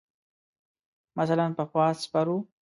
مثلاً پخوا سپر ؤ.